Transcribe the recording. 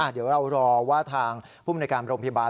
เดี๋ยวเรารอว่าทางภูมิในการโรงพยาบาล